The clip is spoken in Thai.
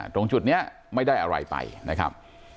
ตรงจุดนี้ไม่ได้อะไรไปนะครับ